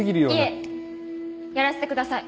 いえやらせてください。